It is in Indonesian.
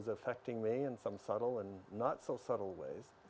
dan mempengaruhi saya dalam cara yang sedikit sedikit